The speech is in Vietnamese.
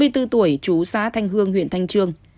bốn mươi bốn tuổi chú xá thanh hương huyện thanh trương